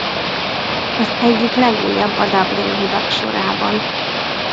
Az egyik legújabb a dublini hidak sorában.